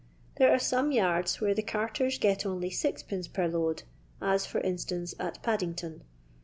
There are some yardi where the carters get only 6(2. per load, as, for instance, at Paddington.